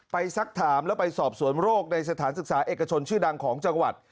สักถามแล้วไปสอบสวนโรคในสถานศึกษาเอกชนชื่อดังของจังหวัด